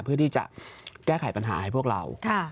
เพื่อที่จะแก้ไขปัญหาให้พวกเรา